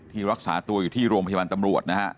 รักษาตัวอยู่ที่โรงพยาบาลตำรวจนะฮะ